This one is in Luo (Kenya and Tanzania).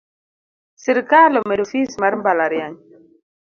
Sirkal omedo fees mar mbalariany.